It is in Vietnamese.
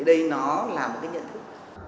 đấy là một nhận thức